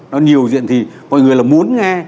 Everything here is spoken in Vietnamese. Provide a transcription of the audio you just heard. nó nhiều diện thì mọi người là muốn nghe